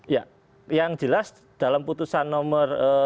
ya yang jelas dalam putusan nomor